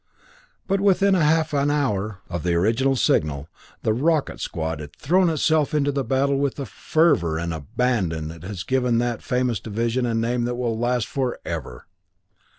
But within a half hour of the original signal, the Rocket Squad had thrown itself into the battle with a fervor and abandon that has given that famous division a name that will last forever.